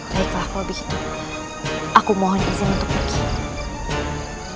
baiklah kalau begitu aku mohon izin untuk berbicara